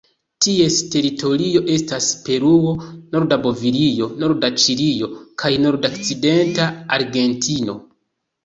Ties teritorio estas Peruo, norda Bolivio, norda Ĉilio kaj nordokcidenta Argentino.